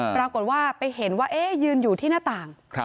ปรากฏว่าไปเห็นว่ายืนอยู่ที่หน้าต่าง